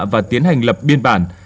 và tiến hành lập biên bản